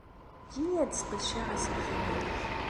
Eǧǧ-iyi ad sqedceɣ aselkim-nnek.